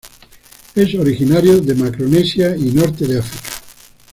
Es originario de Macaronesia y norte de África.